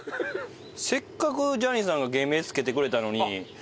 せっかくジャニーさんが芸名つけてくれたのに。